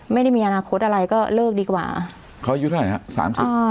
ไม่ได้มีอนาคตอะไรก็เลิกดีกว่าเขาอายุเท่าไหร่ฮะสามสิบอ่า